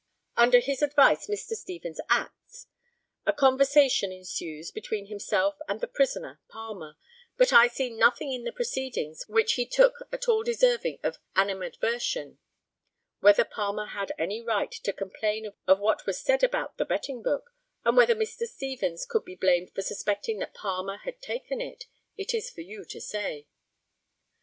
Under his advice Mr. Stevens acts; a conversation ensues between himself and the prisoner Palmer, but I see nothing in the proceedings which he took at all deserving animadversion. Whether Palmer had any right to complain of what was said about the betting book, and whether Mr. Stevens could be blamed for suspecting that Palmer had taken it, it is for you to say.